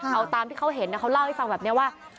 เอาตามที่เขาเห็นเขาเล่าให้ฟังแบบนี้ว่า